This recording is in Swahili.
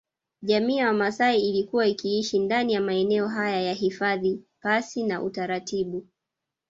Jamii ya Wamaasai ilikuwa ikiishi ndani ya maeneo haya ya hifadhi pasi na utaratibu